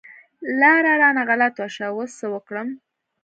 لاره رانه غلطه شوه، اوس څه وکړم؟